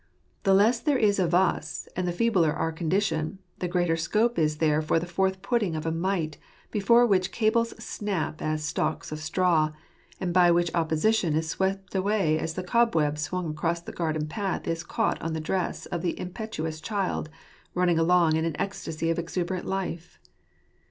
The less there is of us, and the feebler our condition, the greater scope is there for the forth putting of a Might before which cables snap as stalks of straw; and by which opposition is swept away as the cobweb swung across the garden path is caught on the dress of the impetuous child rushing along in an ecstasy of exuberant life.